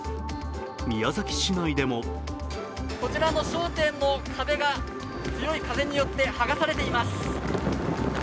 宮崎市内でもこちらの商店も壁が強い風によって剥がされています。